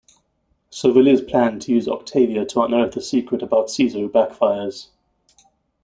Servilia's plan to use Octavia to unearth a secret about Caesar backfires.